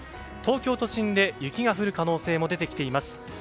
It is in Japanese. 東京都心で雪が降る可能性も出てきています。